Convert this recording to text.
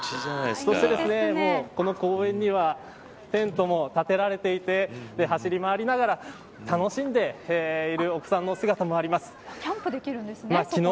そして、この公園にはテントも建てられていて走り回りながら楽しんでいるお子さんの姿もあります。